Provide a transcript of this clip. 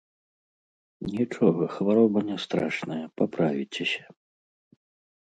Нічога, хвароба не страшная, паправіцеся.